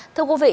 thưa quý vị